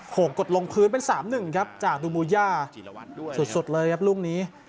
หกกดลงพื้นเป็นสามหนึ่งครับจากดูบูย่าสุดสุดเลยครับลูกนี้